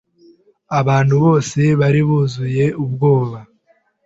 Abantu bose bari buzuye ubwoba"